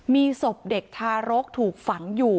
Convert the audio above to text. มีศพเด็กทารกถูกฝังอยู่